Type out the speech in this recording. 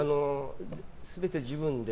全て自分で。